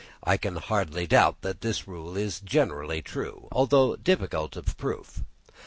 I can hardly doubt that this rule is generally true, though difficult of proof.